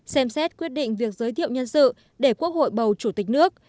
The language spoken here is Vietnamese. xem xét quyết định việc giới thiệu nhân sự để quốc hội bầu chủ tịch nước